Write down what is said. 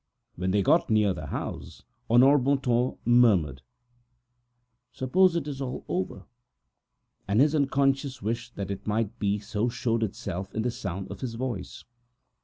When they got near the house, Honore Bontemps murmured: "Suppose it is all over?" And the unconscious wish that it might be so showed itself in the sound of his voice.